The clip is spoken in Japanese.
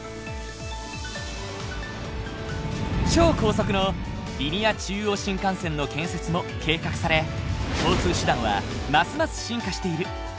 超高速のリニア中央新幹線の建設も計画され交通手段はますます進化している。